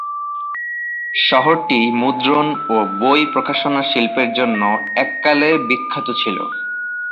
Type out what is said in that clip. শহরটি মুদ্রণ ও বই প্রকাশনা শিল্পের জন্য এককালে বিখ্যাত ছিল।